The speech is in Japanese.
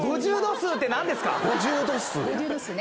５０度数ね。